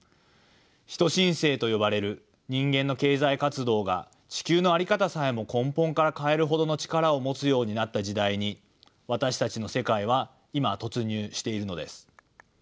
人新世と呼ばれる人間の経済活動が地球のあり方さえも根本から変えるほどの力を持つようになった時代に私たちの世界は今突入しているのです。